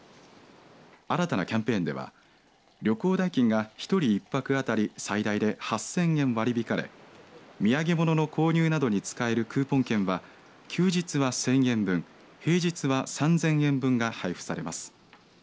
新たなキャンペーンでは旅行代金が１人１泊当たり最大で８０００円割り引かれ土産物の購入などに使えるクーポン券は休日は１０００円分平日は３０００円分が配布されます。